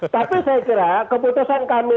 tapi saya kira keputusan kami